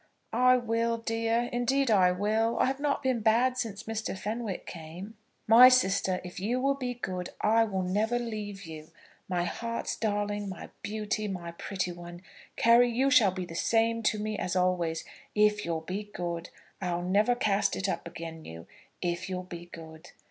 "I will, dear; indeed I will. I have not been bad since Mr. Fenwick came." "My sister, if you will be good, I will never leave you. My heart's darling, my beauty, my pretty one! Carry, you shall be the same to me as always, if you'll be good. I'll never cast it up again you, if you'll be good."